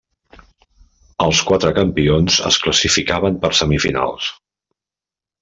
Els quatre campions es classificaven per semifinals.